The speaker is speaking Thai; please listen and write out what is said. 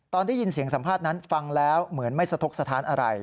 ตอนได้ยินเสียงสัมภาษณ์นั้นฟังแล้วเหมือนไม่สะทกสถานอะไร